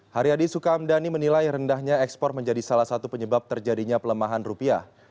haryadi sukamdhani menilai rendahnya ekspor menjadi salah satu penyebab terjadinya pelemahan rupiah